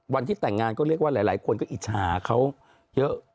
วันที่แต่งงานก็เรียกว่าหลายคนก็อิจฉาเขาเยอะ